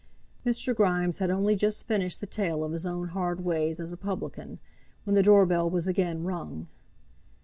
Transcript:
Mr. Grimes had only just finished the tale of his own hard ways as a publican, when the door bell was again rung.